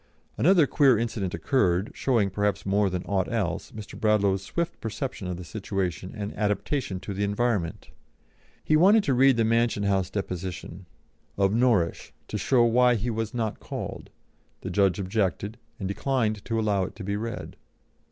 Another queer incident occurred, showing, perhaps more than aught else, Mr. Bradlaugh's swift perception of the situation and adaptation to the environment. He wanted to read the Mansion House deposition of Norrish, to show why he was not called; the judge objected, and declined to allow it to be read.